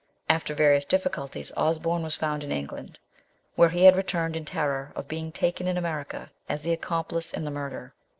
After various difficulties Osborne was found in England, where he had returned in terror of being taken in America as accomplice in the murder.